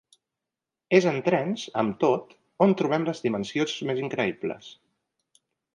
És en trens, amb tot, on trobem les dimensions més increïbles.